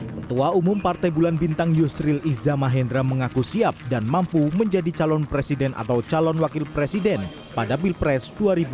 ketua umum partai bulan bintang yusril iza mahendra mengaku siap dan mampu menjadi calon presiden atau calon wakil presiden pada pilpres dua ribu dua puluh